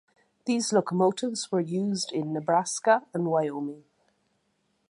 These locomotives were used in Nebraska and Wyoming.